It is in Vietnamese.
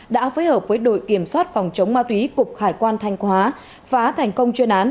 đã phối hợp với đội kiểm soát phòng chống ma túy cục hải quan thanh hóa phá thành công chuyên án